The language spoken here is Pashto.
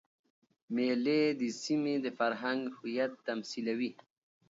مېلې د سیمي د فرهنګ هویت تمثیلوي.